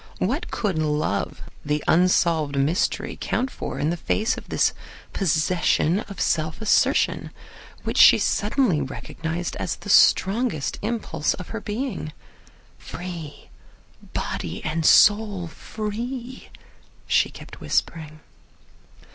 What could love, the unsolved mystery, count for in face of this possession of self assertion which she suddenly recognized as the strongest impulse of her being! "Free! Body and soul free!" she kept whispering.